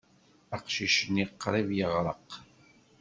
Aqcic-nni qrib yeɣreq.